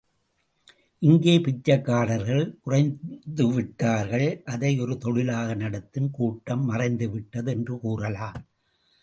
இங்கே பிச்சைக்காரர்கள் குறைந்துவிட்டார்கள் அதை ஒரு தொழிலாக நடத்தும் கூட்டம் மறைந்து விட்டது என்று கூறலாம்.